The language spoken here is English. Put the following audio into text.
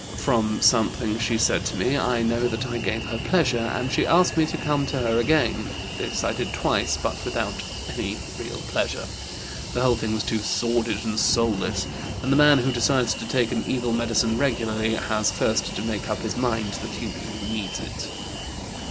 From something she said to me I know that I gave her pleasure, and she asked me to come to her again. This I did twice, but without any real pleasure. The whole thing was too sordid and soulless, and the man who decides to take an evil medicine regularly has first to make up his mind that he really needs it.